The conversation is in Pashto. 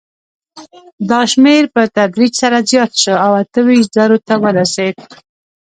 دا شمېر په تدریج سره زیات شو او اته ویشت زرو ته ورسېد.